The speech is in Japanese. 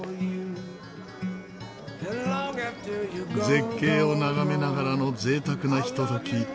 絶景を眺めながらの贅沢なひととき。